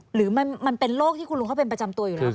หรือมันเป็นโรคที่คุณลุงเขาเป็นประจำตัวอยู่แล้วค